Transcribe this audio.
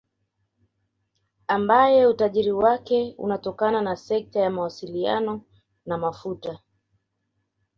Ambaye utajiri wake unatokana na sekta ya mawasiliano na mafuta